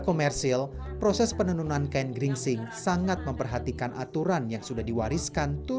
jadi proses lebih diserahkan ke hukum adat